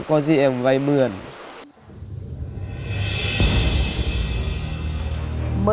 có gì em vây mườn